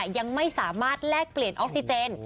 ยังไม่สามารถแลกเปลี่ยนออกซิเจน